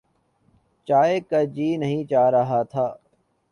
چائے کا جی نہیں چاہ رہا تھا۔